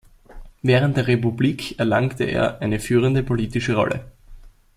Während der Republik erlangte er eine führende politische Rolle.